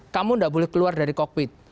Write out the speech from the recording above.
kamu tidak boleh keluar dari kokpit